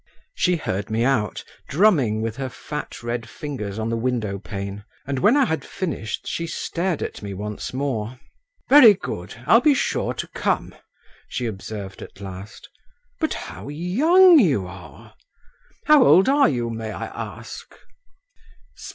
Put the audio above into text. She heard me out, drumming with her fat red fingers on the window pane, and when I had finished, she stared at me once more. "Very good; I'll be sure to come," she observed at last. "But how young you are! How old are you, may I ask?"